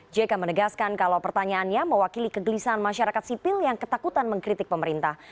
jk menegaskan kalau pertanyaannya mewakili kegelisahan masyarakat sipil yang ketakutan mengkritik pemerintah